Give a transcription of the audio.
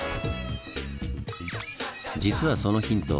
実はそのヒント